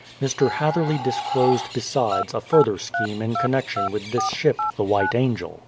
Mr. Hatherley disclosed, besides, a further scheme in con nection with this ship the White Angel.